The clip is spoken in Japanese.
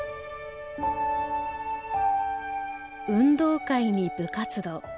運動会に部活動。